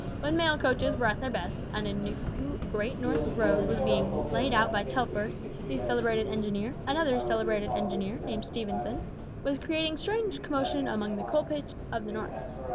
When mail coaches were at their best, and a new Great North Road was being laid out by Telford, the celebrated engineer, another celebrated engineer, named Stephenson, was creating strange commotion among the coal pits of the North.